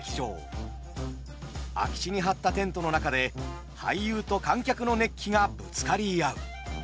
空き地に張ったテントの中で俳優と観客の熱気がぶつかり合う。